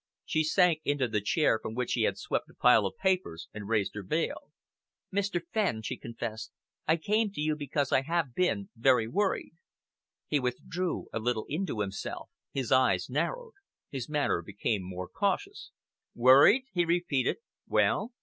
She sank into the chair from which he had swept a pile of papers and raised her veil. "Mr. Fenn," she confessed. "I came to you because I have been very worried." He withdrew a little into himself. His eyes narrowed. His manner became more cautious. "Worried?" he repeated. "Well?"